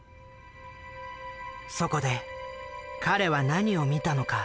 そこで彼は何を見たのか？